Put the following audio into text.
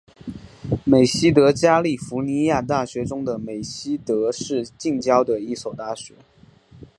美熹德加利福尼亚大学中美熹德市近郊的一所大学。